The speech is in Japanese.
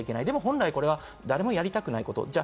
でも本来、これは誰もやりたくないこと。